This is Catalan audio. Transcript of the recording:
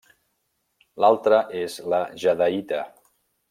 L'altre és la jadeïta.